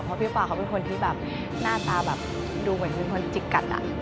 เพราะพี่ป๊าเขาเป็นคนที่แบบหน้าตาแบบดูเหมือนเป็นคนจิกกัด